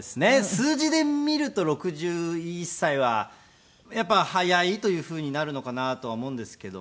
数字で見ると６１歳はやっぱり早いというふうになるのかなとは思うんですけども。